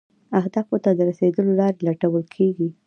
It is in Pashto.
اهدافو ته د رسیدو لارې لټول کیږي.